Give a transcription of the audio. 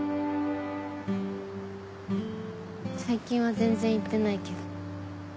最近は全然行ってないけど。